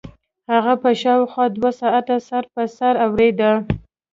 هغه به شاوخوا دوه ساعته سر په سر اورېده.